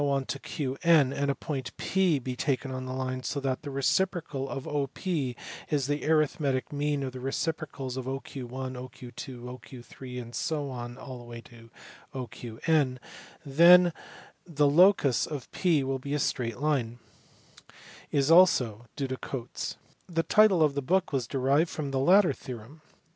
. ,Q , mid a point / be, taken on tin; line so that the reciprocal of 1* is the arithmetic mean of the reciprocals of ()Cj t , OQ. 29 ... t OQ ut then the locus of 1* will be a straight lino" is also due to Cotes. The title of the book was derived from the latter theorem.